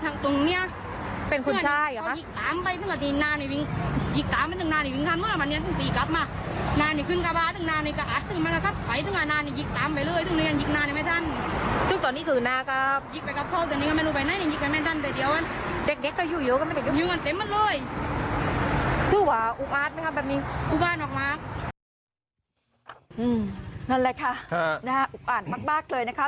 นั่นแหละค่ะน่าอุกอ่านมากเลยนะคะ